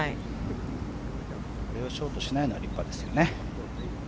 あれがショートしないのが立派ですよね。